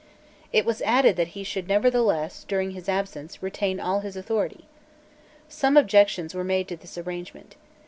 It was added that he should nevertheless, during his absence, retain all his authority. Some objections were made to this arrangement.